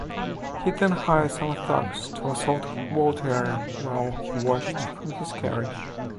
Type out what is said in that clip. He then hired some thugs to assault Voltaire while he watched from his carriage.